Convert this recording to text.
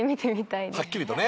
はっきりとね。